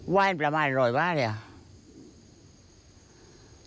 ว่าไวมันประมาณไหนแหล่วยวะนี้